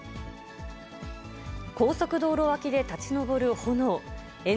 高速道路脇で立ち上る炎。